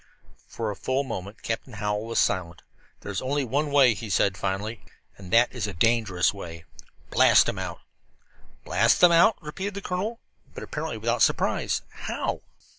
For a full moment Captain Hallowell was silent. "There is only one way," he said finally, "and that is a dangerous way. Blast them out." "Blast them out?" repeated the colonel, but apparently without surprise. "How?"